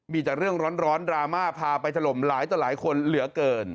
มีแต่เรื่องร้อนดราม่าพาไปถล่มหลายต่อหลายคนเหลือเกิน